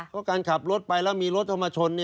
ก็การขับรถไปแล้วมีรถมาชน